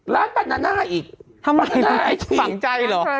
ร้านบานาน่าอีกบานาน่าไอธิธิฟังใจหรอ